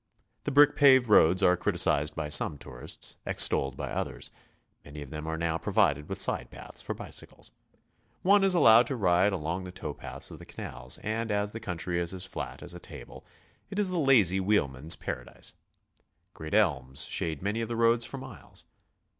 The brick paved roads are criticized by some tourists, extolled by others; many of them are now provided with side paths for bicycles. One is al lowed to ride along the tow paths of the canals, and as the country is as flat as a table, it is the lazy wheelman's Para dise. Great elms shade many of the roads for miles.